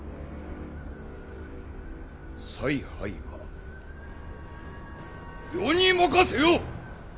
采配は余に任せよ！